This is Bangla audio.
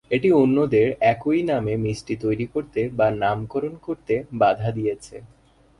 এটি অন্যদের একই নামে মিষ্টি তৈরি করতে বা নামকরণ করতে বাধা দিয়েছে।